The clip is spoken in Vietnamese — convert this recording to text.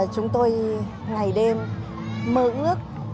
chúng tôi ngày đêm mơ ước